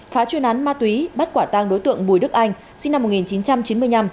phá chuyên án ma túy bắt quả tang đối tượng bùi đức anh